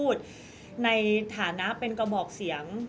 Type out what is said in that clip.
ก็ต้องฝากพี่สื่อมวลชนในการติดตามเนี่ยแหละค่ะ